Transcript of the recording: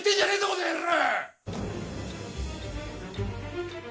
この野郎！